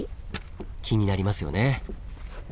気になりますよね。